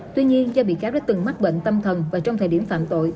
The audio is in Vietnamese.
tuy nhiên do bị cáo đã từng mắc bệnh tâm thần và trong thời điểm phạm tội